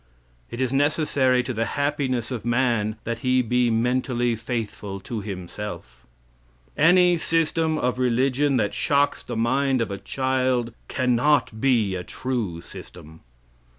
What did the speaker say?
"It is necessary to the happiness of man that he be mentally faithful to himself. "Any system of religion that shocks the mind of a child can not be a true system.